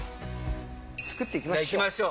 作っていきましょう。